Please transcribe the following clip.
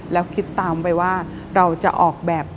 แล้วคิดตามไปว่าเราจะออกแบบ